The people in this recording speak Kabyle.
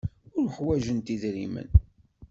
Ur ḥwajent idrimen.